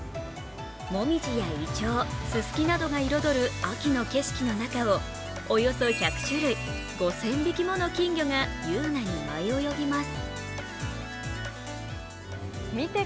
もみじやいちょう、すすきなどが彩る秋の景色の中をおよそ１００種類、５０００匹もの金魚が優雅に舞い泳ぎます。